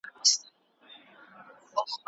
د ذکر سوي حديث پر اساس تخبيب حرام دی.